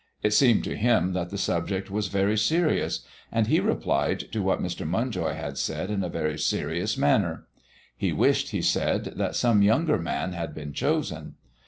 It seemed to him that the subject was very serious, and he replied to what Mr. Munjoy had said in a very serious manner. He wished, he said, that some younger man had been chosen.